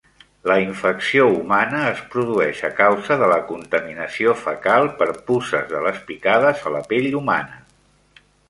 La infecció humana es produeix a causa de la contaminació fecal per puces de les picades a la pell humana.